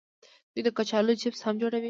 دوی د کچالو چپس هم جوړوي.